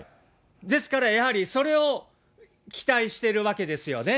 ですから、やはりそれを期待してるわけですよね。